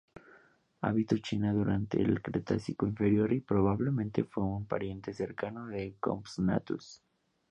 Habitó China durante el Cretácico Inferior y probablemente fue un pariente cercano de "Compsognathus".